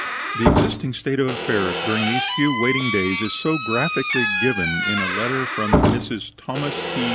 The existing state of affairs during these few waiting days is so graphically given in a letter from Mrs. Thomas T.